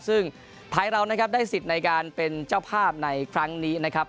ซึ่งไทยเรานะครับได้สิทธิ์ในการเป็นเจ้าภาพในครั้งนี้นะครับ